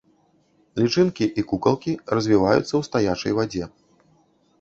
Лічынкі і кукалкі развіваюцца ў стаячай вадзе.